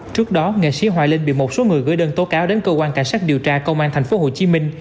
trước đó nghệ sĩ hoài linh bị một số người gửi đơn tố cáo đến cơ quan cảnh sát điều tra công an tp hcm